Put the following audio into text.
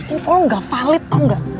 info gak valid tau gak